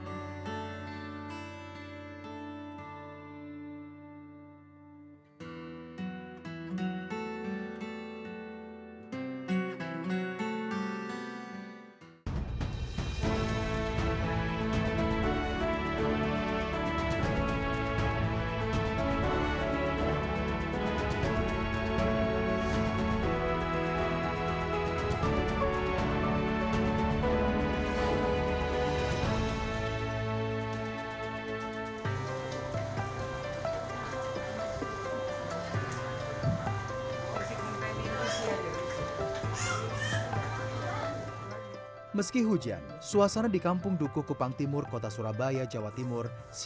hai meski hujan suasana di kampung dukuh kupang timur kota surabaya jawa bismillahirrahmanirrahim